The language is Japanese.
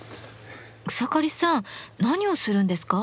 草刈さん何をするんですか？